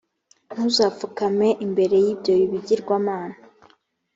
ntuzapfukame imbere y’ibyo bigirwamana,